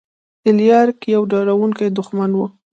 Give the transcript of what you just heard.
الاریک یو ډاروونکی دښمن و.